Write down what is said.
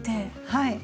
はい。